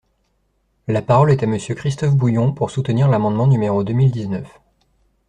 La parole est à Monsieur Christophe Bouillon, pour soutenir l’amendement numéro deux mille dix-neuf.